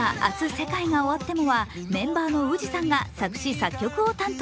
世界が終わっても−」はメンバーのＷＯＯＺＩさんが作詞・作曲を担当。